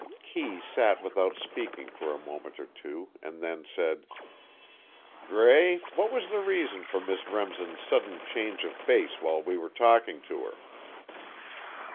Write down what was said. Kee sat without speaking for a moment or two, and then said: "Gray, what was the reason for Miss Remsen's sudden change of base while we were talking to her?"